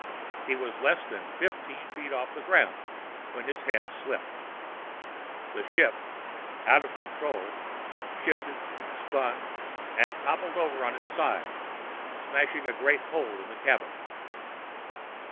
He was less than fifteen feet off the ground when his hand slipped. The ship, out of control, shifted, spun, and toppled over on its side, smashing a great hole in the cabin.